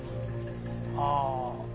ああ。